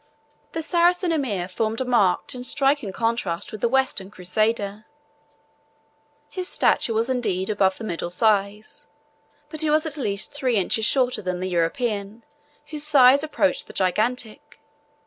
The Saracen Emir formed a marked and striking contrast with the Western Crusader. His stature was indeed above the middle size, but he was at least three inches shorter than the European, whose size approached the gigantic.